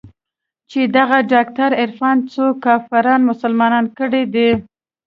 چې دغه ډاکتر عرفان څو کافران مسلمانان کړي دي.